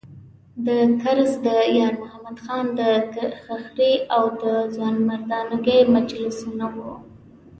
د کرز د یارمحمد خان خرخښې او د ځوانمردانو مجلسونه وو.